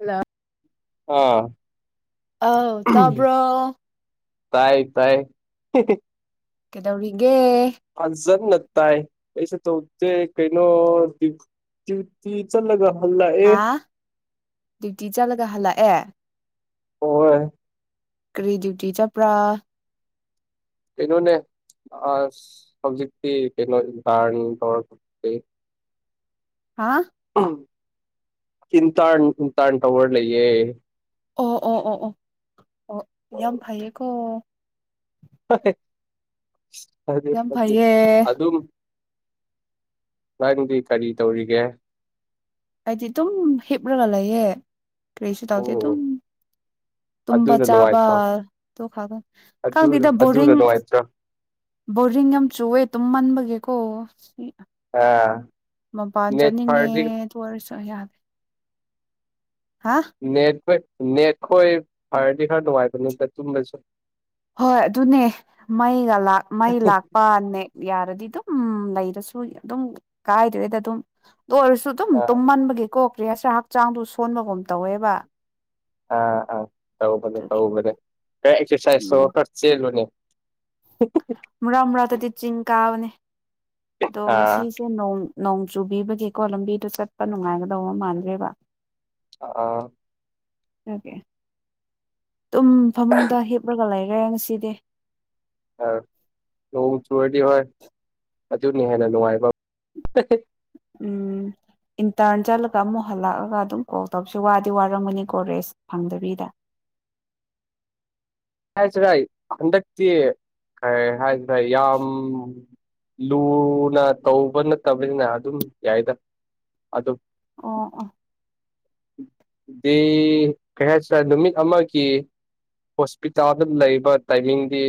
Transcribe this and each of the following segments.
Hello ꯑꯥ ꯑꯧ ꯇꯥꯕꯔꯣ ꯇꯥꯏ ꯇꯥꯏ ꯍꯤꯍꯤ ꯀꯩꯗꯧꯔꯤꯒꯦ ꯐꯖꯟꯅ ꯇꯥꯏ ꯀꯩꯁꯨ ꯇꯧꯇꯦ ꯀꯩꯅꯣ ꯇꯌꯨ ꯇꯤ ꯆꯠꯂꯒ ꯍꯜꯂꯛꯑꯦ ꯍꯥ ꯗ꯭ꯌꯨꯇꯤ ꯆꯠꯂꯒ ꯍꯜꯂꯛꯑꯦ ꯑꯣꯏ ꯀꯔꯤ ꯗ꯭ꯌꯨꯇꯤ ꯆꯄꯔꯥ ꯀꯩꯅꯣꯅꯦ ꯑꯁ ꯍꯧꯖꯤꯛꯇꯤ ꯀꯩꯅꯣ [unintelligible] ꯍꯥ ꯑꯧ ꯏꯟꯇꯔꯟ ꯅꯨꯡꯇꯔꯟ ꯇꯧꯔ ꯂꯩꯌꯦ ꯑꯣ ꯑꯣ ꯑꯣ ꯑꯣ ꯑꯣ ꯌꯥꯝ ꯐꯩꯌꯦꯀꯣ ꯌꯥꯝ ꯐꯩꯌꯦ [unintelligible] ꯑꯗꯨꯝ ꯅꯪꯗꯤ ꯀꯔꯤ ꯇꯧꯔꯤꯒꯦ ꯑꯩꯗꯤ ꯗꯨꯝ ꯍꯤꯞꯔꯒ ꯂꯩꯌꯦ ꯀꯔꯤꯁꯨ ꯇꯧꯗꯦ ꯑꯣ ꯑꯗꯨꯝ ꯇꯨꯝꯕ ꯑꯗꯨꯅ ꯆꯥꯕ ꯅꯨꯡꯉꯥꯏꯇ꯭ꯔꯣ ꯇꯣꯈꯛꯇꯥ ꯑꯗꯨ ꯈꯪꯗꯦꯗ ꯑꯗꯨꯅ ꯕꯣꯔꯤꯡ ꯅꯨꯡꯉꯥꯏꯇ꯭ꯔꯣ ꯕꯣꯔꯤꯡ ꯌꯥꯝ ꯆꯨꯋꯦ ꯑꯗꯨꯝ ꯇꯨꯝꯃꯟꯕꯒꯤꯀꯣ ꯑꯥ ꯃꯄꯥꯟ ꯅꯦꯠ ꯆꯠꯅꯤꯡꯉꯦ ꯐꯔꯗꯤ [unintelligible] ꯌꯥꯗꯦ ꯍꯥ ꯅꯦꯠꯕꯦꯛ ꯅꯦꯠꯈꯣꯏ ꯐꯔꯗꯤ ꯈꯔ ꯅꯨꯡꯉꯥꯏꯕꯅꯦꯗ ꯇꯨꯝꯔꯁꯨ ꯍꯣꯏ ꯑꯗꯨꯅꯦ ꯃꯩꯒ ꯂꯥꯛ ꯃꯩ ꯂꯥꯛꯄꯅꯦꯛ ꯌꯥꯔꯗꯤ ꯗꯨꯝ ꯂꯩꯔꯁꯨ ꯑꯗꯨꯝ ꯀꯥꯏꯗ꯭ꯔꯦꯗ ꯑꯗꯨꯝ ꯑꯣꯏꯔꯁꯨ ꯑꯗꯨꯝ ꯑꯥ ꯇꯨꯝꯃꯟꯕꯒꯤꯀꯣ ꯀ꯭ꯔꯤ ꯍꯥꯏꯁꯤꯔ ꯍꯛꯆꯥꯡꯗꯨ ꯁꯣꯟꯕꯒꯨꯝ ꯇꯧꯋꯦꯕ ꯑ ꯑ ꯇꯧꯒꯕꯅꯦ ꯑꯗꯨꯒꯤ ꯇꯧꯕꯅꯦ ꯈꯔ ꯑꯦꯛꯁ꯭ꯔꯁꯥꯏ ꯎꯝ ꯇꯧ ꯈꯔ ꯆꯦꯜꯂꯣꯅꯦ [unintelligible] ꯃꯔꯛ ꯃꯔꯛꯇꯥꯗꯤ ꯆꯤꯡ ꯀꯥꯕꯅꯦ ꯑꯗꯣ ꯑꯥ ꯉꯁꯤ ꯁꯤ ꯅꯣꯡ ꯅꯣꯡ ꯆꯨꯕꯤꯕꯒꯤꯀꯣ ꯂꯝꯕꯤꯗꯣ ꯆꯠꯄ ꯅꯨꯡꯉꯥꯏꯒꯗ ꯃꯥꯟꯗ꯭ꯔꯦꯕ ꯑ ꯑꯣꯀꯦ ꯇꯨꯝ ꯐꯃꯨꯡꯗ ꯍꯤꯞꯂꯒ ꯂꯩꯒ꯭ꯔꯦ ꯉꯁꯤꯗꯤ ꯑ ꯅꯣꯡ ꯆꯨꯔꯗꯤ ꯍꯣꯏ ꯑꯗꯨꯅꯤ ꯍꯦꯟꯅ ꯅꯨꯡꯉꯥꯏꯕ ꯎꯝ ꯏꯟꯇꯔꯟ ꯆꯠꯂꯒ ꯑꯃꯨꯛ ꯍꯜꯂꯛꯑꯒ ꯑꯗꯨꯝ ꯀꯣꯜ ꯇꯧꯁꯤ ꯋꯥꯗꯤ ꯋꯥꯔꯝꯒꯅꯤ ꯀꯣ ꯔꯦꯖ ꯐꯪꯗꯕꯤꯗ ꯍꯥꯏꯁꯤꯔꯥꯏ ꯍꯟꯗꯛꯇꯤ ꯀꯩ ꯍꯥꯏꯁꯤꯔ ꯌꯥꯝ ꯂꯨꯅ ꯇꯧꯕ ꯅꯠꯇꯕꯅꯤꯅ ꯑꯗꯨꯝ ꯌꯥꯏꯗ ꯑꯗꯨꯝ ꯑꯣ ꯑꯣ ꯗꯤ ꯀꯩ ꯍꯥꯏꯁꯤꯔ ꯅꯨꯃꯤꯠ ꯑꯃꯒꯤ ꯍꯣꯁꯄꯤꯇꯥꯜꯗ ꯂꯩꯕ ꯇꯥꯏꯃꯤꯡꯗꯤ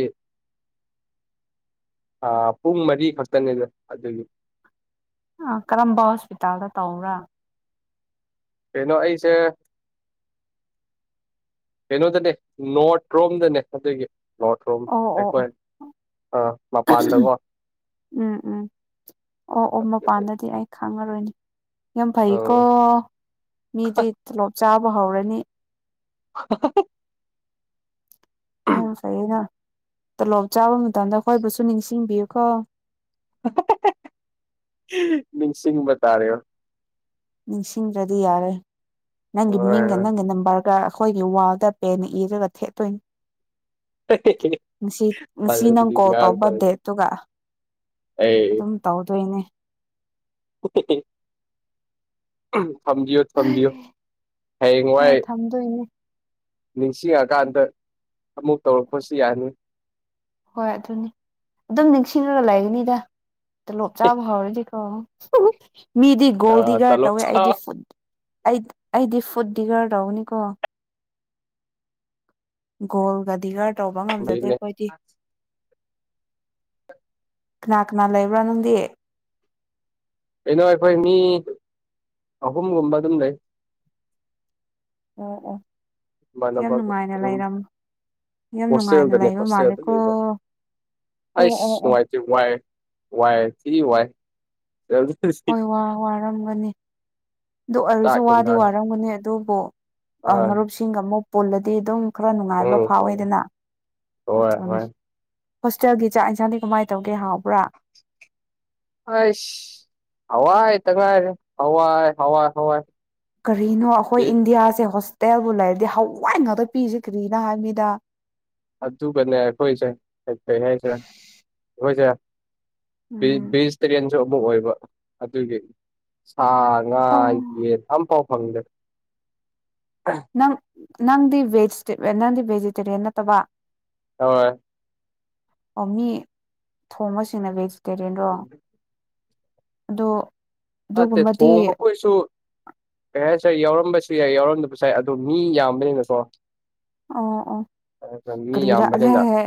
ꯄꯨꯡ ꯃꯔꯤ ꯈꯛꯇꯅꯦꯗ ꯑꯗꯨꯒꯤ ꯑ ꯀꯔꯝꯕ ꯍꯣꯁꯄꯤꯇꯥꯜꯗ ꯇꯧꯕꯔꯥ ꯀꯩꯅꯣ ꯑꯩꯁꯦ ꯀꯩꯅꯣꯗꯅꯦ ꯅꯣꯔꯠ ꯔꯣꯝꯗꯅꯦ ꯑꯗꯨꯒꯤ ꯅꯣꯔꯠꯔꯣꯝ ꯑꯣ ꯑꯣ ꯑꯩꯈꯣꯏ ꯑꯣ ꯑ ꯃꯄꯥꯟꯗꯀꯣ ꯎꯝ ꯎꯝ ꯑꯣ ꯑꯣ ꯃꯄꯥꯟꯗꯗꯤ ꯑꯩ ꯈꯪꯉꯔꯣꯏꯅꯤ ꯌꯥꯝ ꯐꯩꯀꯣ ꯑ ꯃꯤꯗꯤ ꯇꯂꯣꯞ ꯆꯥꯕ ꯍꯧꯔꯅꯤ [unintelligible] ꯌꯥꯝ ꯐꯩꯌꯦꯅ ꯇꯣꯂꯣꯞ ꯆꯥꯕ ꯃꯇꯝꯗ ꯑꯩꯈꯣꯏꯕꯨꯁꯨ ꯅꯤꯡꯁꯤꯡꯕꯤꯌꯨ ꯀꯣ ꯅꯤꯡꯁꯤꯡꯕ ꯇꯥꯔꯦ ꯅꯤꯡꯁꯤꯡꯗ꯭ꯔꯗꯤ ꯌꯥꯔꯣꯏ ꯅꯪꯒꯤ ꯃꯤꯡꯒ ꯅꯪꯒ ꯅꯝꯕꯔ ꯑꯩꯈꯣꯏꯒꯤ ꯋꯥꯜꯗ ꯄꯦꯟꯅ ꯏꯔꯒ ꯊꯦꯠꯇꯣꯏꯅꯤ ꯉꯁꯤ ꯉꯁꯤ ꯅꯪ ꯀꯣꯜ ꯇꯧꯕ ꯗꯦ ꯑꯗꯨꯒ ꯑꯩ ꯑꯗꯨꯝ ꯇꯧꯗꯣꯏꯅꯦ [unintelligible] ꯊꯝꯕꯤꯌꯣ ꯊꯝꯕꯤꯌꯣ ꯍꯌꯦꯡ ꯍꯣꯏ ꯋꯥꯏ ꯊꯝꯗꯣꯏꯅꯦ ꯅꯤꯡꯁꯤꯡꯉꯀꯥꯟꯗ ꯑꯃꯨꯛ ꯇꯧꯔꯛꯄꯁꯨ ꯌꯥꯅꯤ ꯍꯣꯏ ꯑꯗꯨꯅꯤ ꯑꯗꯨꯝ ꯅꯤꯡꯁꯤꯡꯂꯒ ꯂꯩꯒꯅꯤꯗ ꯇꯣꯂꯣꯞ ꯆꯥꯕ ꯍꯧꯎꯔꯗꯤꯀꯣ ꯃꯤꯗꯤ ꯑ ꯒꯣꯜ ꯗꯤꯒꯥꯔ ꯇꯂꯣꯞ ꯇꯧꯋꯦ ꯆꯥ ꯑꯩꯗꯤ ꯐꯨꯠ ꯑꯩ ꯑꯩꯗꯤ ꯐꯨꯠ ꯗꯤꯒꯥꯔ ꯇꯧꯒꯅꯤꯀꯣ ꯒꯣꯜꯒ ꯗꯤꯒꯔ ꯇꯧꯕ ꯉꯝꯖꯗꯦ ꯑꯩꯈꯣꯏꯗꯤ ꯀꯅꯥ ꯀꯅꯥ ꯂꯩꯕ꯭ꯔꯥ ꯅꯪꯗꯤ ꯀꯩꯅꯣ ꯑꯩꯈꯣꯏ ꯃꯤ ꯑꯍꯨꯝꯒꯨꯝꯕ ꯑꯗꯨꯝ ꯂꯩ ꯑꯣ ꯑꯣ ꯌꯥꯝ ꯏꯃꯥꯟꯅꯕ ꯅꯨꯡꯉꯥꯏꯅ ꯑꯗꯨꯝ ꯂꯩꯔꯝ ꯌꯥꯝ ꯅꯨꯡꯉꯥꯏꯅ ꯍꯣꯁꯇꯦꯜꯗꯅꯦ ꯂꯩꯕ ꯍꯣꯁꯇꯦꯜꯗ ꯃꯥꯂꯦꯀꯣ ꯂꯩꯕ ꯑꯣ ꯑꯩꯁ ꯑꯣ ꯅꯨꯡꯉꯥꯏꯇꯦ ꯋꯥꯏ ꯋꯥꯏ ꯊꯤꯋꯥꯏ ꯍꯣꯏ ꯋꯥ ꯋꯥꯔꯝꯒꯅꯤ ꯑꯗꯨ ꯍꯣꯏ ꯑꯣꯏꯔꯁꯨ ꯋꯥꯗꯤ ꯋꯥꯔꯝꯒꯅꯤ ꯑꯗꯨꯕꯨ ꯃꯔꯨꯞꯁꯤꯡꯒ ꯑꯃꯨꯛ ꯄꯨꯜꯂꯗꯤ ꯑꯗꯨꯝ ꯈꯔ ꯅꯨꯡꯉꯥꯏꯕ ꯐꯥꯎꯋꯤꯗꯅ ꯑꯗꯨꯅꯤ ꯍꯣꯏ ꯍꯣꯁꯇꯦꯜꯒꯤ ꯆꯥꯛ ꯌꯦꯟꯁꯥꯡꯗꯤ ꯀꯃꯥꯏꯅ ꯇꯧꯒꯦ ꯍꯥꯎꯕ꯭ꯔꯥ ꯑꯁ ꯍꯋꯥꯏ ꯇꯥ ꯉꯥꯏꯔꯦ ꯍꯥꯋꯏ ꯍꯋꯥꯏ ꯀꯔꯤꯅꯣ ꯑꯩꯈꯣꯏ ꯕꯤ ꯏꯟꯗꯤꯌꯥꯁꯦ ꯍꯣꯁꯇꯦꯜꯕꯨ ꯂꯩꯔꯗꯤ ꯍꯋꯥꯏ ꯉꯥꯛꯇ ꯄꯤꯔꯤꯁꯦ ꯀꯔꯤꯅꯣ ꯍꯥꯏꯕꯅꯤꯗ ꯑꯗꯨꯒꯅꯦ ꯑꯈꯣꯏꯁꯦ [unintelligible] ꯑꯩꯈꯣꯏꯁꯦ ꯚꯦꯖꯤꯇꯦꯔꯤꯌꯥꯟꯁꯨ ꯑꯃꯨꯛ ꯑꯣꯏꯕ ꯑꯗꯨꯒꯤ ꯁꯥ ꯉꯥ ꯎꯝ ꯌꯦꯟ ꯑꯝꯐꯥꯎ ꯐꯡꯗꯦ ꯅꯪ ꯅꯪꯗꯤ ꯚꯦꯖꯤ ꯅꯪꯗꯤ ꯚꯦꯖꯤꯇꯦꯔꯤꯌꯟ ꯅꯠꯇꯕ ꯍꯣꯏ ꯑꯣ ꯃꯤ ꯊꯣꯡꯕꯁꯤꯡꯅ ꯚꯦꯖꯤꯇꯦꯔꯤꯌꯟꯔꯣ ꯑꯗꯣ ꯅꯠꯇꯦ ꯑꯗꯨꯒꯨꯝꯕꯗꯤ ꯊꯣꯡꯕꯥ ꯈꯣꯏ ꯁꯨ ꯀꯩ ꯍꯥꯏꯁꯤꯔꯥ ꯌꯥꯎꯔꯝꯕꯁꯨ ꯌꯥꯏ ꯌꯥꯎꯔꯝꯗꯕꯁꯨ ꯌꯥꯏ ꯑꯗꯣ ꯃꯤ ꯌꯥꯝꯕꯅꯤꯅꯀꯣ ꯑꯣ ꯑꯣ ꯃꯤ ꯀꯔꯤꯔ ꯌꯥꯝꯕꯅꯤꯅ ꯑꯦ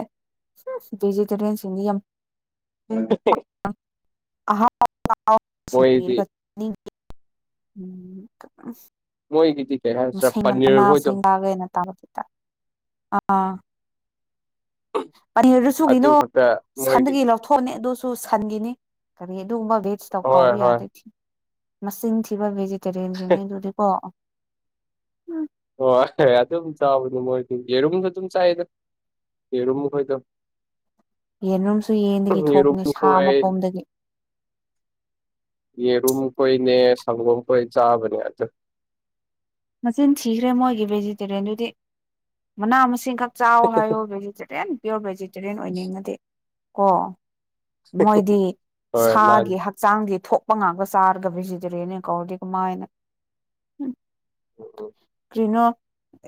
ꯕꯤꯖꯤꯇꯦꯔꯤꯌꯟ ꯁꯤꯡꯗꯤ ꯌꯥꯝ [unintelligible] ꯃꯣꯏꯗꯤ [unintelligible] [unintelligible] ꯃꯣꯏꯒꯤꯗꯤꯒꯦꯔꯥ ꯃꯁꯤꯡ ꯃꯅꯥ [unintelligible] ꯑꯥ ꯄꯅꯤꯔꯔꯁꯨꯨ ꯑꯗꯨ ꯀꯩꯅꯣ ꯈꯛꯇ ꯃꯣꯏꯒꯤ ꯁꯟꯗꯒꯤ ꯂꯧ ꯊꯣꯅꯤ ꯑꯗꯨꯁꯨ ꯁꯟꯒꯤꯅꯤ ꯀꯔꯤ ꯑꯗꯨꯒꯨꯝꯕ ꯕꯦꯖꯇꯣ ꯍꯣꯏ ꯀꯥꯎꯕ ꯍꯣꯏ ꯌꯥꯗꯦ ꯊꯤ ꯃꯆꯤꯡ ꯊꯤꯕ ꯚꯦꯖꯤꯇꯦꯔꯤꯌꯟꯁꯤꯡꯅꯤ ꯑꯗꯨꯗꯤꯀꯣ ꯍꯨꯡ ꯍꯣꯏ ꯑꯗꯨꯝ ꯆꯥꯕꯅꯦ ꯃꯣꯏꯗꯤ ꯌꯦꯔꯨꯝꯖꯨ ꯑꯗꯨꯝ ꯆꯥꯏꯗ ꯌꯦꯔꯨꯝ ꯃꯈꯣꯏꯗꯣ ꯌꯦꯟꯔꯨꯝꯁꯨ ꯌꯦꯟꯗꯒꯤ ꯌꯦꯔꯨꯝ ꯊꯣꯛꯄꯅꯦ ꯁꯥ ꯈꯣꯏ ꯃꯄꯨꯝꯗꯒꯤ꯫ ꯌꯦꯔꯨꯝ ꯈꯣꯏꯅꯦ ꯁꯪꯒꯣꯝ ꯈꯣꯏ ꯆꯥꯕꯅꯦ ꯑꯗꯨ ꯃꯆꯤꯟ ꯊꯤꯈ꯭ꯔꯦ ꯃꯣꯏꯒꯤ ꯚꯦꯖꯤꯇꯦꯔꯤꯌꯟꯗꯨꯗꯤ ꯃꯅꯥ ꯃꯁꯤꯡꯈꯛ ꯆꯥꯎ ꯍꯥꯏꯌꯣ ꯚꯦꯖꯤꯇꯦꯔꯤꯌꯟ ꯄꯤꯌꯣꯔ ꯚꯦꯖꯤꯇꯦꯔꯤꯌꯟ ꯑꯣꯏꯅꯤꯡꯉꯗꯤ ꯀꯣ꯫ ꯃꯣꯏꯗꯤ ꯍꯣꯏ ꯃꯥꯅꯤ ꯁꯥꯒꯤ ꯍꯛ ꯆꯥꯡꯗꯤ ꯊꯣꯛꯄ ꯉꯥꯛꯇ ꯆꯥꯔꯒ ꯚꯤꯖꯤꯇꯔꯤꯌꯟꯅꯤ ꯀꯧꯔꯗꯤ ꯀꯃꯥꯏꯅ꯫ ꯎꯝ ꯎꯝ ꯔꯤꯅꯣ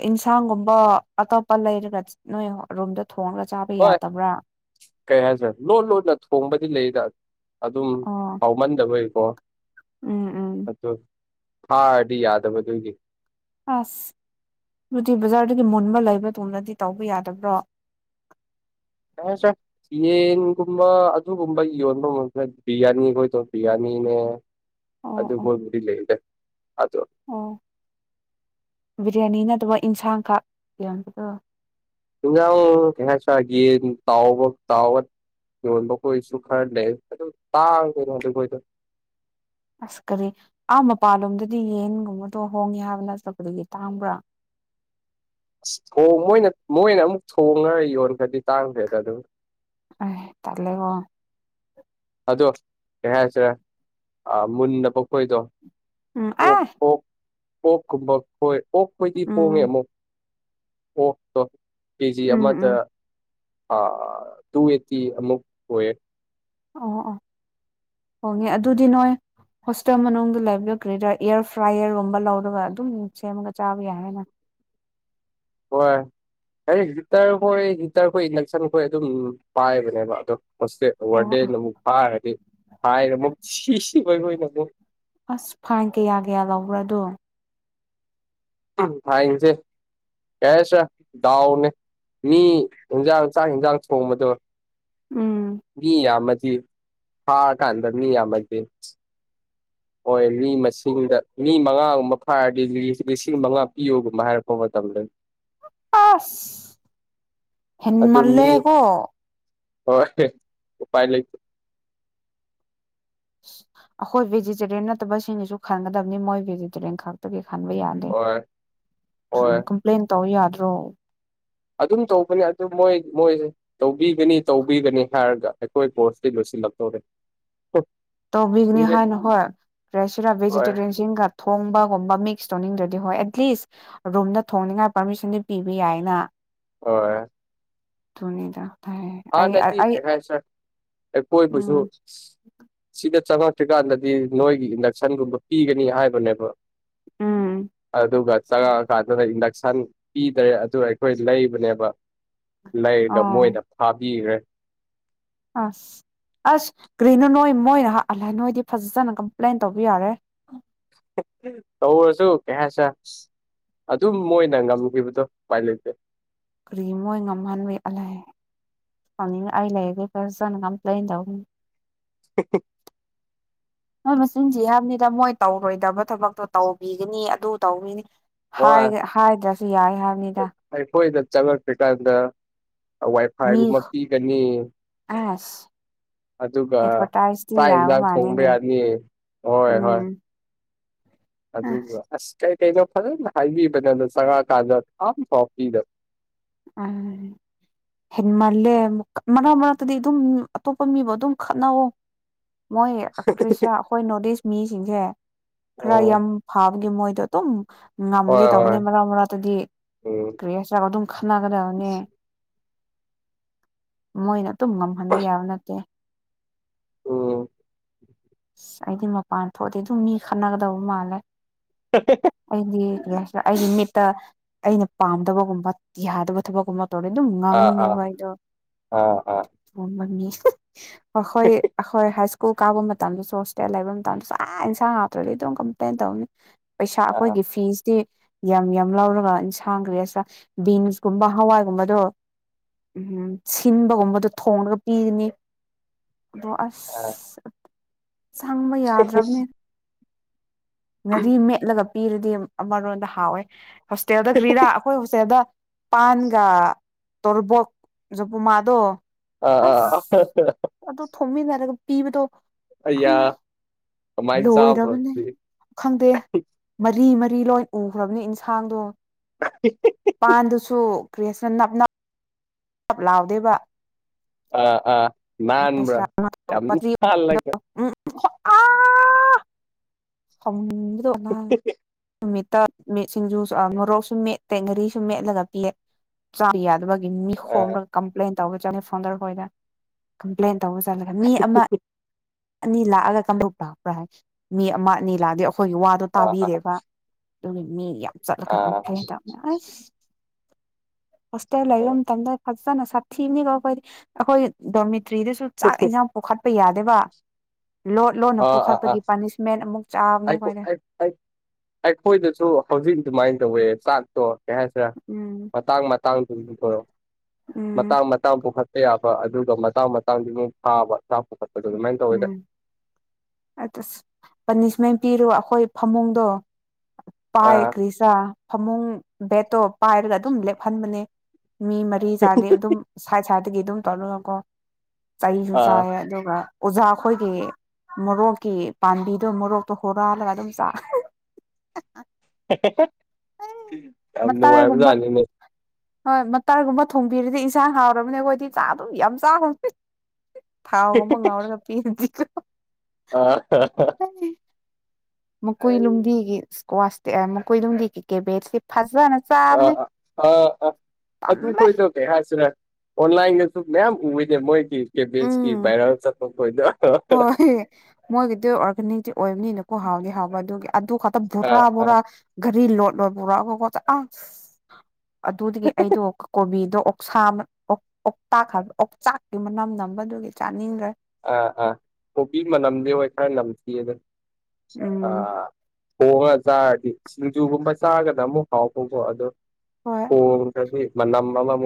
ꯏꯟꯁꯥꯡꯒꯨꯝꯕ ꯑꯇꯣꯞꯄ ꯂꯩꯔꯒ ꯅꯣꯏ ꯔꯨꯝꯗ ꯊꯣꯡꯔꯒ ꯆꯥ ꯕ ꯍꯣꯏ ꯌꯥꯗꯕ꯭ꯔꯥ ꯀꯩ ꯍꯥꯏꯁꯤꯔꯥ ꯂꯣꯟ ꯂꯣꯟꯅ ꯊꯣꯡꯕꯗꯤ ꯂꯩꯗ ꯑꯗꯨꯝ ꯑꯣ ꯍꯥꯎꯃꯟꯗꯕꯩꯀꯣ꯫ ꯎꯝ ꯎ ꯑꯗꯨ ꯐꯥꯔꯗꯤ ꯌꯥꯗꯕ ꯑꯗꯨꯒꯤ꯫ ꯑꯁ ꯗꯨꯗꯤ ꯕꯖꯥꯔꯗꯒꯤ ꯃꯨꯟꯕ ꯂꯩꯕ ꯇꯨꯡꯗꯗꯤ ꯇꯧꯕ ꯌꯥꯗꯕ꯭ꯔꯣ꯫ ꯌꯥꯔꯦ ꯆꯦ ꯌꯦꯟꯒꯨꯝꯕ ꯑꯗꯨꯒꯨꯝꯕ ꯌꯣꯟꯕ ꯃꯛ ꯕꯤꯔꯌꯥꯅꯤꯈꯣꯏ ꯗꯣ ꯕꯤꯔꯌꯥꯅꯤꯅꯦ꯫ ꯑꯣ ꯑꯣ ꯑꯗꯨꯐꯥꯎꯕꯗꯤ ꯂꯩꯗ ꯑꯗꯣ꯫ ꯑꯣ ꯕꯤꯔꯌꯥꯅꯤ ꯅꯠꯇꯕ ꯏꯟꯁꯥꯡꯈꯥꯛ ꯌꯣꯟꯕꯗꯣ꯫ ꯏꯟꯖꯥꯡ ꯀꯩꯍꯥꯏꯁꯤꯔꯥ ꯌꯦꯟ ꯇꯥꯎꯕ ꯇꯥꯎꯔ ꯌꯣꯟꯕꯈꯣꯏꯁꯨ ꯈꯔ ꯂꯩ ꯑꯗꯨ ꯇꯥꯡꯉꯤ ꯃꯣꯏꯗꯣ ꯑꯁ ꯀꯔꯤ ꯑꯥ ꯃꯄꯥꯟꯂꯣꯝꯗꯗꯤ ꯌꯦꯟꯒꯨꯝꯕꯗꯣ ꯍꯣꯡꯉꯦ ꯍꯥꯏꯕꯅ [unintelligible] ꯇꯥꯡꯕ꯭ꯔꯥ ꯑꯁ ꯊꯣ ꯃꯣꯏꯅ ꯃꯣꯏꯅ ꯑꯃꯨꯛ ꯊꯣꯡꯉꯒ ꯌꯣꯟꯈ꯭ꯔꯗꯤ ꯇꯥꯡꯈ꯭ꯔꯦꯗ ꯑꯗꯨꯝ ꯑꯩ ꯇꯂꯦꯒꯣ ꯑꯗꯣ ꯀꯩ ꯍꯥꯏꯁꯤꯔ ꯑ ꯃꯨꯟꯅꯕ ꯈꯣꯏꯗꯣ꯫ ꯎꯝ ꯑꯣꯛ ꯑꯦ ꯑꯣꯛ ꯀꯨꯝꯕ ꯈꯣꯏ ꯑꯣꯛ ꯈꯣꯏꯗꯤ ꯍꯣꯉꯦ ꯎꯝ ꯑꯃꯨꯛ ꯑꯣꯛꯇꯣ ꯀꯦꯖꯤ ꯎꯝ ꯑꯃꯗ꯫ ꯎꯝ ꯑꯥ ꯇꯨ ꯑꯩꯠꯇꯤ ꯑꯃꯨꯛ ꯑꯣꯏꯌꯦ꯫ ꯑꯥ ꯑꯥ ꯍꯣꯡꯉꯦ ꯑꯗꯨꯗꯤ ꯅꯣꯏ ꯍꯣꯁꯇꯦꯜ ꯃꯅꯨꯡꯗ ꯂꯩꯕꯗꯣ ꯀꯔꯤꯔꯥ ꯏꯌꯔ ꯐ꯭ꯔꯥꯏꯌꯔꯒꯨꯝꯕ ꯂꯧꯔꯒ ꯑꯗꯨꯝ ꯁꯦꯝꯃꯒ ꯆꯥꯕ ꯌꯥꯔꯦꯅ꯫ ꯍꯣꯏ ꯑꯩ ꯍꯤꯇꯔ ꯍꯣꯏ ꯍꯤꯇꯔꯈꯣꯏ ꯏꯟꯗꯛꯁꯟ ꯈꯣꯏ ꯑꯗꯨꯝ ꯄꯥꯏꯕꯅꯦꯕ ꯑꯗꯣ ꯍꯣꯁꯇꯦ ꯑꯣ ꯑꯣ ꯋꯥꯔꯗꯦꯟꯅ ꯑꯃꯨꯛ ꯐꯥꯔꯗꯤ ꯍꯥꯏꯔ ꯑꯃꯨꯛ ꯁꯤꯁꯤ ꯑꯣꯏ ꯍꯣꯏꯅ ꯃꯨꯛ ꯑꯁ ꯐꯥꯏꯟ ꯀꯌꯥ ꯀꯌꯥ ꯂꯧꯕ꯭ꯔꯥꯗꯨ ꯎꯝ ꯐꯥꯏꯟꯁꯦ ꯀꯩ ꯍꯥꯏꯁꯤꯔꯥ ꯗꯥꯎꯅꯦ ꯃꯤ ꯏꯟꯖꯥꯡ ꯆꯥꯛ ꯍꯤꯟꯖꯥꯡ ꯊꯣꯡꯕꯗꯣ꯫ ꯎꯝ ꯃꯤ ꯌꯥꯝꯃꯗꯤ ꯐꯥꯀꯥꯟꯗ ꯃꯤ ꯌꯥꯝꯃꯗꯤ ꯍꯣꯏ ꯃꯤ ꯃꯁꯤꯡꯗ ꯃꯤ ꯃꯉꯥꯒꯨꯝꯕ ꯐꯥꯔꯗꯤ ꯂꯤ ꯂꯤꯁꯤꯡ ꯃꯉꯥ ꯄꯤꯌꯨꯒꯨꯝꯕ ꯍꯥꯏꯔꯛꯄ ꯃꯇꯝꯗꯅꯤ ꯑꯥꯁ ꯑꯗꯨ ꯃꯤ ꯍꯦꯟꯃꯜꯂꯦꯍꯦꯀꯣ ꯍꯣꯏ ꯎꯄꯥꯏ ꯂꯩꯇꯦ ꯑꯈꯣꯏ ꯚꯦꯖꯤꯇꯦꯔꯤꯌꯟ ꯅꯠꯇꯕ ꯁꯤꯡꯒꯤꯁꯨ ꯈꯟꯒꯗꯕꯅꯤ ꯃꯣꯏ ꯚꯦꯖꯤꯇꯦꯔꯤꯌꯟ ꯈꯛꯇꯒꯤ ꯈꯟꯕ ꯌꯥ ꯗꯤ ꯍꯣꯏ ꯁꯨ ꯍꯣꯏ ꯀꯝꯄ꯭ꯂꯦꯟ ꯇꯧ ꯌꯥꯗ꯭ꯔꯣ ꯑꯗꯨꯝ ꯇꯧꯕꯅꯦ ꯑꯗꯨ ꯃꯣꯏ ꯃꯣꯏꯁꯦ ꯇꯧꯕꯤꯒꯅꯤ ꯇꯧꯕꯤꯒꯅꯤ ꯍꯥꯏꯔꯒ ꯑꯩꯈꯣꯏ ꯀꯣꯔꯁꯇꯤ ꯂꯣꯏꯁꯤꯜꯂꯛꯇꯣꯔꯦ ꯇꯧꯕꯤꯒꯅꯤ ꯍꯥꯏꯅ ꯍꯣꯏ ꯀ꯭ꯔꯩꯁꯤꯔꯥ ꯍꯣꯏ ꯚꯦꯖꯤꯇꯦꯔꯤꯌꯟꯁꯤꯡꯒ ꯊꯣꯡꯕꯒꯨꯝꯕ ꯃꯤꯛꯁ ꯇꯧꯅꯤꯡꯗ꯭ꯔꯗꯤ ꯍꯣꯏ ꯑꯦꯠꯂꯤꯁ ꯔꯨꯝꯗ ꯊꯣꯡꯅꯤꯉꯥꯏ ꯄꯥꯔꯃꯤꯁꯟꯗꯤ ꯄꯤꯕ ꯌꯥꯏꯅ ꯍꯣꯏ ꯗꯨꯅꯤꯗ ꯍꯥꯟꯅꯗꯤ ꯀꯩ ꯍꯥꯏꯁꯤꯔꯥ ꯑꯩꯈꯣꯏꯕꯨꯁꯨ ꯎꯝ ꯁꯤꯗ ꯆꯪꯉꯛꯇ꯭ꯔꯤꯀꯥꯟꯗꯗꯤ ꯅꯣꯏꯒꯤ ꯏꯟꯗꯛꯁꯟꯒꯨꯝꯕ ꯄꯤꯒꯅꯤ ꯍꯥꯏꯕꯅꯦꯕ ꯎꯝ ꯑꯗꯨꯒ ꯆꯉꯛꯑꯀꯥꯟꯗꯅ ꯏꯟꯗꯛ ꯁꯟ ꯄꯤꯗ꯭ꯔꯦ ꯑꯗꯨ ꯑꯩꯈꯣꯏ ꯂꯩꯕꯅꯦꯕ ꯂꯩꯔꯒ ꯑꯣ ꯃꯣꯏꯅ ꯐꯥꯕꯤꯈ꯭ꯔꯦ ꯑꯁ ꯑꯁ ꯒ꯭ꯔꯤꯅꯨ ꯅꯣꯏ ꯃꯣꯏꯅ ꯑꯩꯍꯥ ꯅꯣꯏꯗꯤ ꯐꯖꯅ ꯀꯝꯄ꯭ꯂꯦꯟ ꯇꯧꯕ ꯌꯥꯔꯦ ꯇꯧꯔꯁꯨ ꯀꯩ ꯍꯥꯢꯁꯤꯔꯥ ꯑꯗꯨꯝ ꯃꯣꯏꯅ ꯉꯝꯈꯤꯕꯗꯣ ꯎꯄꯥꯏ ꯂꯩꯇꯦ ꯀ꯭ꯔꯤꯃꯣꯏ ꯉꯝꯍꯟꯕꯤ ꯑꯜꯂꯦ [unintelligible] ꯑꯩ ꯂꯩꯔꯗꯤ ꯐꯖꯅ ꯀꯝꯄ꯭ꯂꯦꯟ ꯇꯧꯒꯅꯤ [unintelligible] [inaudible] ꯃꯣꯏ ꯃꯆꯤꯟ ꯊꯤ ꯍꯥꯏꯕꯅꯤꯗ ꯃꯣꯏ ꯇꯧꯔꯣꯏꯗꯕ ꯊꯕꯛꯇꯣ ꯇꯧꯕꯤꯒꯅꯤ ꯑꯗꯨ ꯇꯧꯅꯤꯅꯤ ꯍꯥꯏ ꯍꯥꯏꯗ꯭ꯔꯁꯨ ꯌꯥꯏ ꯍꯥꯏꯕꯅꯤꯗ ꯑꯩ ꯈꯣꯏꯗ ꯆꯉꯛꯇ꯭ꯔꯤꯀꯥꯟꯗ ꯃꯤ ꯋꯥꯏꯐꯥꯏꯒꯨꯝꯕ ꯄꯤꯒꯅꯤ ꯑꯁ ꯑꯗꯨꯒ ꯑꯦꯗꯚꯔꯇꯥꯏꯁꯇꯤ ꯆꯥꯛ ꯌꯥꯕ ꯏꯟꯖꯥꯡ ꯊꯣꯡꯕ ꯃꯥꯜꯂꯦꯅꯦ ꯌꯥꯅꯤ ꯍꯣꯏ ꯍꯣꯏ ꯎꯝ ꯑꯗꯨꯒ ꯑꯁ ꯀꯩꯀꯩꯅꯣ ꯐꯖꯅ ꯍꯥꯏꯕꯤꯕꯅꯦ ꯑꯗꯣ ꯆꯪꯉꯛꯑꯀꯥꯟꯗ ꯑꯝ ꯐꯥꯎ ꯄꯤꯗꯕ ꯎꯝ ꯍꯦꯟꯃꯜꯂꯦ ꯃꯔꯛ ꯃꯔꯛꯇꯗꯤ ꯑꯗꯨꯝ ꯑꯇꯣꯞꯄ ꯃꯤꯕꯨ ꯑꯗꯨꯝ ꯈꯠꯅꯧꯑꯣ ꯃꯣꯏ ꯀ꯭ꯔꯤꯁꯤꯔꯥ ꯑꯩꯈꯣꯏ ꯅꯣꯠ ꯏꯁ ꯃꯤꯁꯤꯡꯁꯦ ꯈꯔ ꯑꯣ ꯌꯥꯝ ꯐꯥꯕꯒꯤ ꯃꯣꯏꯗꯣ ꯗꯨꯝ ꯉꯝꯒꯦ ꯍꯣꯏ ꯍꯣꯏ ꯇꯧꯕꯅꯤ ꯃꯔꯛ ꯃꯔꯥꯛꯇꯗꯤ ꯎꯝ ꯀ꯭ꯔꯤ ꯍꯥꯌꯁꯤꯔꯥ ꯑꯗꯨꯝ ꯈꯠꯅꯒꯗꯕꯅꯤ ꯃꯣꯏꯅ ꯑꯗꯨꯝ ꯉꯝꯍꯟꯕ ꯌꯥꯕ ꯅꯠꯇꯦ ꯎꯝ ꯑꯁ ꯑꯩꯗꯤ ꯃꯄꯥꯟ ꯊꯣꯛꯑꯗꯤ ꯑꯗꯨꯝ ꯃꯤ ꯈꯠꯅꯒꯗꯧꯕ ꯃꯥꯜꯂꯦ [unintelligible] ꯑꯩꯗꯤ ꯀꯔꯤ ꯍꯥꯏꯁꯤꯔ ꯑꯩꯒꯤ ꯃꯤꯠꯇ ꯑꯩꯅ ꯄꯥꯝꯗꯕꯒꯨꯝꯕ ꯌꯥꯗꯕ ꯊꯕꯛꯀꯨꯝꯕ ꯇꯣꯔꯦ ꯑꯗꯨꯝ ꯑꯥ ꯑꯥ ꯉꯥꯡꯅꯤꯡꯉꯦꯕ ꯑꯩꯗꯣ ꯑꯥ ꯑꯥ [unintelligible] ꯑꯈꯣꯏ ꯑꯈꯣꯏ ꯍꯥꯏꯁ ꯀꯨꯜ ꯀꯥꯕ ꯃꯇꯝꯗꯁꯨ ꯍꯣꯁꯇꯦꯜ ꯂꯩꯕ ꯃꯇꯝꯗꯁꯨ ꯑꯥ ꯏꯟꯁꯥꯡ ꯍꯥꯎꯇ꯭ꯔꯗꯤ ꯑꯗꯨꯝ ꯀꯝꯄ꯭ꯂꯦꯟ ꯇꯧꯅꯤ ꯄꯩꯁꯥ ꯑꯥ ꯑꯩꯈꯣꯏꯒꯤ ꯐꯤꯁꯇꯤ ꯌꯥꯝ ꯌꯥꯝ ꯂꯧꯔꯒ ꯌꯦꯟꯁꯥꯡ ꯀꯔꯤ ꯍꯥꯏꯁꯤꯔ ꯕꯤꯟꯁꯀꯨꯝꯕ ꯍꯋꯥꯏꯒꯨꯝꯕꯗꯣ ꯎꯝ ꯁꯤꯟꯕꯒꯨꯝꯕꯗꯣ ꯊꯣꯡꯂꯒ ꯄꯤꯒꯅꯤ ꯑꯗꯣ ꯑꯥ ꯑꯁ ꯆꯪꯕ ꯌꯥꯗ꯭ꯔꯕꯅꯦ ꯉꯥꯔꯤ ꯃꯦꯠꯂꯒ ꯄꯤꯔꯗꯤ ꯑꯃꯔꯣꯝꯗ ꯍꯥꯎꯋꯦ ꯍꯣꯁꯇꯦꯜꯗ ꯀ꯭ꯔꯤꯔꯥ ꯑꯩꯈꯣꯏ ꯎꯆꯁꯦꯗ ꯄꯥꯟꯒ ꯇꯣꯔꯕꯣꯛ ꯖꯄꯃꯥꯗꯣ ꯑꯥ ꯑꯥ ꯑꯗꯨ ꯊꯣꯡꯃꯤꯟꯅꯔꯒ ꯄꯤꯕꯗꯣ ꯑꯌꯥ ꯑꯜꯂ ꯀꯃꯥꯏꯅ ꯆꯥꯕ꯭ꯔꯣ ꯂꯣꯏꯔꯕꯅꯦ ꯑꯗꯨꯗꯤ ꯈꯪꯗꯦ ꯃꯔꯤ ꯃꯔꯤ ꯂꯣꯏ ꯎꯈ꯭ꯔꯕꯅꯤ ꯏꯟꯁꯥꯡꯗꯣ ꯄꯥꯟꯗꯨꯁꯨ ꯀ꯭ꯔꯦꯁꯅ ꯅꯞ ꯅꯞ ꯅꯞ ꯂꯥꯎꯗꯦꯕ ꯑꯥ ꯑꯥ ꯅꯥꯟꯕ꯭ꯔꯥ ꯌꯥꯝ ꯅꯥꯟꯂꯒ ꯈ꯭ꯋꯥꯏ ꯁꯥꯎꯅꯤꯡꯕꯗꯣ ꯅꯨꯃꯤꯠꯇ ꯃꯤꯠ ꯁꯤꯡꯖꯨ ꯃꯣꯔꯣꯛꯁꯨ ꯃꯦꯠ ꯇꯦ ꯉꯥꯔꯤꯁꯨ ꯃꯦꯠꯂꯒ ꯄꯤꯌꯦ ꯆꯥꯕ ꯌꯗꯕꯒꯤꯅꯤ ꯑꯥ ꯈꯣꯝꯂꯒ ꯀꯝꯄ꯭ꯂꯦꯟ ꯇꯧꯕ ꯆꯠꯂ ꯐꯥꯎꯟꯗꯔ ꯍꯣꯏꯗ ꯀꯝꯄ꯭ꯂꯦꯟ ꯇꯧꯕ ꯆꯠꯂꯒ ꯃꯤ ꯑꯃ ꯑꯅꯤ ꯂꯥꯛꯑꯒ ꯀꯝꯗꯄꯥꯄ꯭ꯔꯥ ꯍꯥꯏ ꯃꯤ ꯑꯃ ꯑꯅꯤ ꯂꯥꯛꯑꯗꯤ ꯑꯩꯈꯣꯏꯒꯤ ꯋꯥ ꯑꯗꯨ ꯑꯥ ꯑꯥ ꯇꯥꯕꯤꯔꯦꯕ ꯑꯗꯨꯒꯤ ꯃꯤ ꯌꯥꯝ ꯆꯠꯂꯒ ꯑꯥ ꯀꯝꯊꯩꯗ ꯑꯁ ꯍꯣꯁꯇꯦꯠ ꯂꯩꯕ ꯃꯇꯠꯗ ꯐꯖꯅ ꯁꯥꯊꯤꯅꯤꯒꯣ ꯑꯩꯈꯣꯏꯗꯤ ꯑꯩꯈꯣꯏ ꯗꯣꯃꯤꯇ꯭ꯔꯤꯗꯁꯨ ꯆꯥꯛ ꯌꯦꯟꯁꯥꯡ ꯄꯨꯈꯠꯄ ꯌꯥꯗꯕ ꯂꯣꯠ ꯂꯣꯟꯅ ꯑꯥ ꯑꯥ ꯑꯥ ꯄꯨꯈꯠꯄꯒꯤ ꯄꯥꯅꯤꯁꯃꯦꯟ ꯑꯃꯨꯛ ꯆꯥꯕꯅꯦ ꯑꯩꯈꯣꯏꯗ ꯑꯩꯈꯣꯏꯗꯁꯨ ꯍꯧꯖꯤꯛ ꯑꯗꯨꯃꯥꯏꯅ ꯇꯧꯋꯦ ꯆꯥꯛꯇꯣ ꯀꯩ ꯍꯥꯏꯁꯤꯔꯥ ꯎꯝ ꯃꯇꯥꯡ ꯃꯇꯥꯡꯗꯨ ꯌꯦꯊꯣꯔꯛꯑꯣ ꯎꯝ ꯃꯇꯥꯡ ꯃꯇꯥꯡ ꯄꯨꯈꯠ ꯑ ꯌꯥꯕ ꯑꯗꯨꯒ ꯃꯇꯥꯡ ꯃꯇꯥꯡꯗꯤ ꯑꯗꯨ ꯐꯥꯕ ꯆꯥꯛꯄ ꯈꯣꯠꯄꯗꯣ ꯑꯗꯨꯃꯥꯏꯅ ꯇꯧꯋꯦꯗ ꯑ ꯄꯥꯅꯤꯁꯃꯦꯟ ꯄꯤꯔꯣ ꯑꯩꯈꯣꯏ ꯐꯃꯨꯡꯗꯣ ꯄꯥꯏ ꯑꯥ ꯀ꯭ꯔꯤꯁꯥ ꯐꯃꯨꯡ ꯕꯦꯠꯇꯣ ꯄꯥꯏꯔꯒ ꯑꯗꯨꯝ ꯂꯦꯞꯍꯟꯕꯅꯦ ꯃꯤ ꯃꯔꯤ ꯆꯥꯗꯤ ꯑꯗꯨꯝ ꯁꯥꯏꯠ ꯁꯥꯏꯠꯇꯒꯤ ꯑꯗꯨꯝ ꯇꯧꯔꯒꯀꯣ ꯆꯍꯤꯁꯨ ꯑꯥ ꯆꯥꯏꯌꯦ ꯑꯗꯨ ꯑꯣꯖꯥ ꯑꯩꯈꯣꯏꯒꯤ ꯃꯣꯔꯣꯛꯀꯤ ꯄꯥꯝꯕꯤꯗꯣ ꯃꯣꯔꯣꯛꯇꯣ ꯍꯨꯔꯥꯜꯂꯒ ꯑꯗꯨꯝ ꯆꯥ ꯌꯥꯝ ꯃꯇꯥꯏꯒꯨꯝꯕ ꯅꯨꯡꯉꯥꯏꯕꯖꯥꯠꯅꯤꯅꯦ ꯍꯣꯏ ꯃꯇꯔꯒꯨꯝꯕ ꯊꯣꯡꯕꯤꯔꯗꯤ ꯏꯟꯁꯥꯡ ꯍꯥꯎꯔꯕꯅꯤ ꯑꯩꯈꯣꯏꯗꯤ ꯆꯥꯛ ꯑꯗꯨꯝ ꯌꯥꯝ ꯆꯥ ꯊꯥꯎꯒꯨꯝ ꯑꯃ ꯉꯥꯎꯔꯒ ꯄꯤꯔꯗꯤꯀꯣ ꯑ ꯃꯀꯣꯏ ꯅꯨꯡꯗꯤꯒꯤ ꯏꯁꯀ꯭ꯋꯥꯁꯇ ꯃꯀꯨꯏ ꯅꯨꯡꯗꯤꯒꯤ ꯀꯦꯕꯦꯠꯁꯤ ꯐꯖꯅ ꯑ ꯆꯥꯕꯅꯦ ꯑ ꯑꯥ ꯑ ꯑꯝ ꯄꯣꯏ ꯇ ꯇꯜꯂꯦ UNINTELLIGIBLE ꯀꯩ ꯍꯥꯏꯁꯤꯅ ꯑꯣꯟꯂꯥꯏꯟꯗꯁꯨ ꯃꯌꯥꯝ ꯎꯏꯅꯦ ꯃꯣꯏꯒꯤ ꯀꯦꯕꯤꯁꯀꯤ ꯚꯥꯏꯔꯦꯜ ꯆꯠꯄ ꯈꯣꯏꯗꯣ ꯍꯣꯢ ꯃꯣꯏꯒꯤꯗꯤ ꯑꯣꯔꯒꯥꯅꯤꯛꯇꯤ ꯑꯣꯏꯕꯅꯤꯅꯀꯣ ꯍꯥꯎꯗꯤ ꯍꯥꯎꯕ ꯑꯗꯨꯒꯤ ꯑꯗꯨ ꯈꯛꯇ ꯕꯣꯔꯥ ꯑꯥ ꯑꯥ ꯕꯣꯔꯥ ꯘꯔꯤ ꯂꯣꯠ ꯂꯣꯠ ꯄꯨꯔꯛꯒꯀꯣ ꯑ ꯑꯗꯨꯗꯒꯤ ꯑꯩꯗꯣ ꯀꯣꯕꯤꯗꯣ ꯁꯥꯕ ꯑꯣꯇꯥꯛ ꯍꯥꯏꯕ ꯑꯣꯆꯥꯛꯀꯤ ꯃꯅꯝ ꯅꯝꯕꯗꯨꯒꯤ ꯆꯥꯅꯤꯡꯗ꯭ꯔꯦ ꯑꯥ ꯑꯥ ꯀꯣꯕꯤ ꯃꯅꯝꯗꯤ ꯍꯣꯏ ꯈꯔ ꯅꯝꯊꯤꯗ ꯎꯝ ꯑꯥꯥ ꯊꯣꯡꯉꯒ ꯆꯥꯔꯗꯤ ꯁꯤꯡꯖꯨꯒꯨꯝꯕ ꯆꯥꯒꯅ ꯑꯃꯨꯛ ꯍꯥꯎꯕꯀꯣ ꯍꯣꯏ ꯊꯣꯡꯒꯔꯗꯤ ꯃꯅꯝ ꯑꯃꯥꯃꯨꯛ